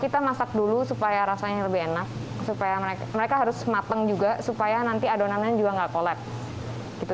kita masak dulu supaya rasanya lebih enak supaya mereka harus matang juga supaya nanti adonannya juga nggak collap gitu